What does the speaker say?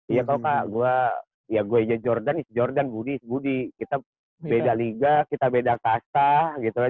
iya kalau kak gue ya gue aja jordan is jordan budi budi kita beda liga kita beda kasah gitu kan